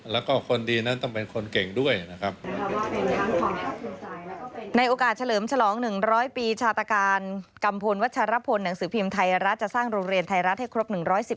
แล้วก็คนดีนั้นต้องเป็นคนเก่งด้วยนะครับ